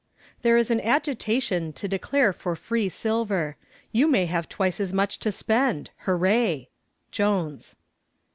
There is an agitation to declare for free silver. You may have twice as much to spend. Hooray. JONES.